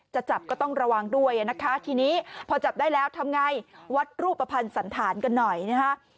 จะจับก็ต้องระวังด้วยนะคะทีนี้พอจับได้แล้วทำไงวัดรูปภัณฑ์สันธารกันหน่อยนะคะ